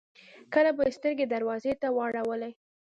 کله به يې سترګې دروازې ته واړولې.